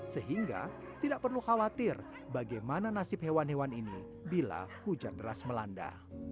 sehingga tidak perlu khawatir bagaimana nasib hewan hewan ini bila hujan deras melanda